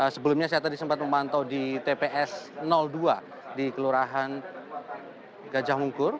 sebelumnya saya tadi sempat memantau di tps dua di kelurahan gajah mungkur